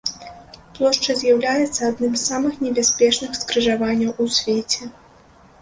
Плошча з'яўляецца адным з самых небяспечных скрыжаванняў у свеце.